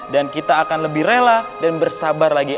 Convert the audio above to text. dan kita akan lebih rela dan bersabar lagi